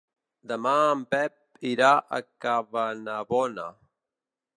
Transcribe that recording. Demà en Pep irà a Cabanabona.